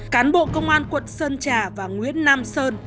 cán bộ công an quận sơn trà và nguyễn nam sơn